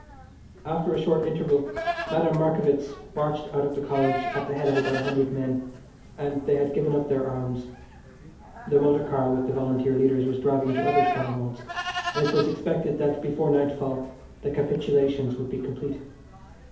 After a short interval Madame Marckievicz marched out of the College at the head of about 100 men, and they had given up their arms; the motor car with the Volunteer leaders was driving to other strongholds, and it was expected that before nightfall the capitulations would be complete.